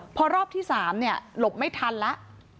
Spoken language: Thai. พอรอบที่๓หลบไม่ทันแล้ว